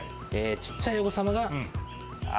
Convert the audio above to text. ちっちゃいお子様が。